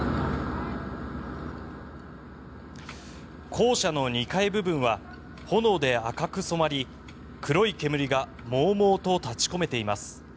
校舎の２階部分は炎で赤く染まり黒い煙がもうもうと立ち込めています。